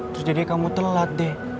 terus jadi kamu telat deh